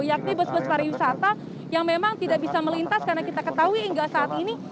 yakni bus bus pariwisata yang memang tidak bisa melintas karena kita ketahui hingga saat ini